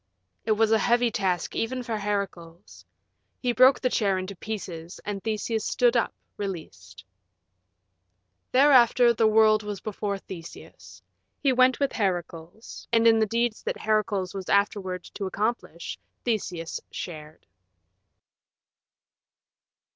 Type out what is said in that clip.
It was a heavy task even for Heracles. He broke the chair in pieces, and Theseus stood up, released. Thereafter the world was before Theseus. He went with Heracles, and in the deeds that Heracles was afterward to accomplish Theseus shared.